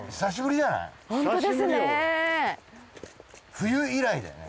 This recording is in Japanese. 冬以来だよね。